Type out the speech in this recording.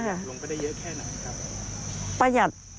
ประหยัดลงไปได้เยอะแค่ไหนครับ